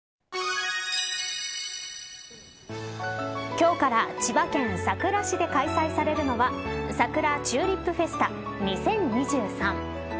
今日から千葉県佐倉市で開催されるのは佐倉チューリップフェスタ２０２３。